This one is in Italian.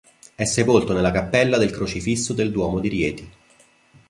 È sepolto nella cappella del crocifisso del Duomo di Rieti.